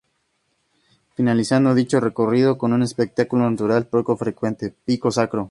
Finalizando dicho recorrido con un espectáculo natural poco frecuente: Pico Sacro.